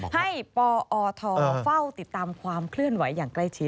ให้ปอทเฝ้าติดตามความเคลื่อนไหวอย่างใกล้ชิด